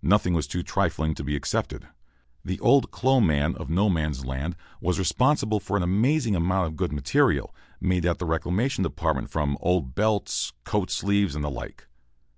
Nothing was too trifling to be accepted. The "old clo' man" of No Man's Land was responsible for an amazing amount of good material, made at the Reclamation Depot from old belts, coat sleeves, and the like.